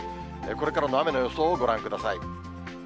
これからの雨の予想をご覧ください。